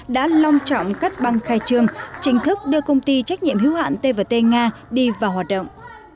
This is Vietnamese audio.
đã long trọng cắt băng khai trương trình thức đưa công ty trách nhiệm hiếu hạn t t nga đi vào hoạt động